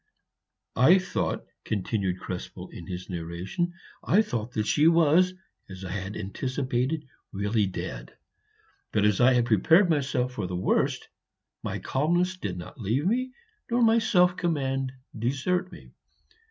"I thought," continued Krespel in his narration, "I thought that she was, as I had anticipated, really dead; but as I had prepared myself for the worst, my calmness did not leave me, nor my self command desert me.